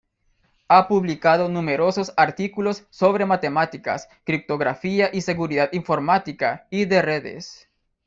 Ha publicado numerosos artículos sobre matemáticas, criptografía y seguridad informática y de redes.